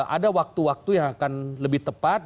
ada waktu waktu yang akan lebih tepat